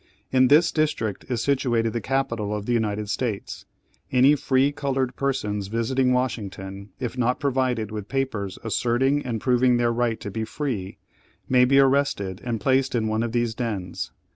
In this district is situated the capital of the United States. Any free coloured persons visiting Washington, if not provided with papers asserting and proving their right to be free, may be arrested and placed in one of these dens.